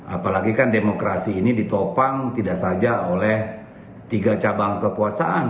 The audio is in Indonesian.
apalagi kan demokrasi ini ditopang tidak saja oleh tiga cabang kekuasaan